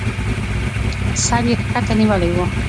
سر يې کښته نيولى و.